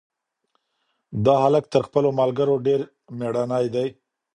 دا هلک تر خپلو ملګرو ډېر مېړنی دی.